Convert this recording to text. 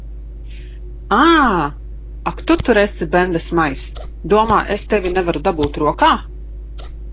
Ā! Ak tu tur esi, bendesmaiss! Domā, es tevi nevaru dabūt rokā.